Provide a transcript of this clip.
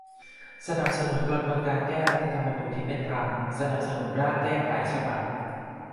สนับสนุนกระบวนการแก้รัฐธรรมนูญที่เป็นธรรม สนับสนุนร่างแก้ไขฉบับ